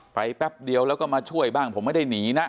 แป๊บเดียวแล้วก็มาช่วยบ้างผมไม่ได้หนีนะ